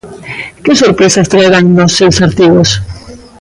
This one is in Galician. Que sorpresas traerán nos seus artigos?